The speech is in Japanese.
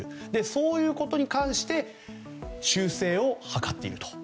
そういうことに関して修正を図っていると。